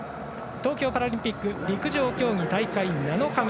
東京パラリンピック陸上競技、大会７日目。